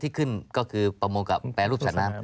ที่ขึ้นก็คือประโมกกับแปรรูปสถานการณ์